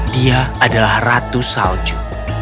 dia adalah ratu salju